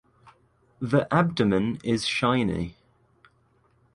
The abdomen is shiny.